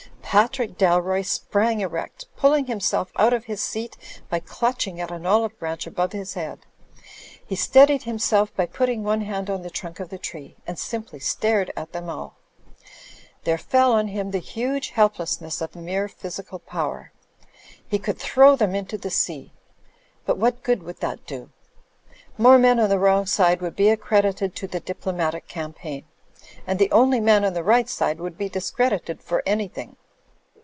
Patrick Dalroy sprang erect, pulling himself out of his seat by clutching at an olive branch above his head. He steadied himself by putting one hand on the trunk of the tree, and simply stared at them all. There fell on him the huge helplessness of mere physical power. He could throw them into the sea; but what good would that do ? More men on the wrong side would be accredited to the diplomatic campaign; and the only man on the right side would be discredited for any thing.